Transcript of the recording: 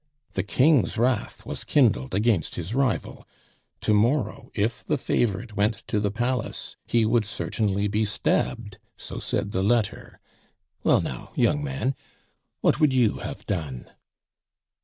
The King's wrath was kindled against his rival; to morrow, if the favorite went to the palace, he would certainly be stabbed; so said the letter. Well, now, young man, what would you have done?"